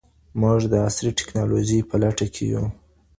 موږ د عصري تکنالوژۍ په لټه کي یو.